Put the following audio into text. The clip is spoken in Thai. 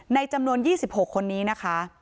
จำนวน๒๖คนนี้นะคะ